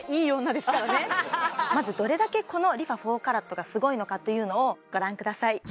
まずどれだけこのＲｅＦａ４ＣＡＲＡＴがすごいのかというのをご覧ください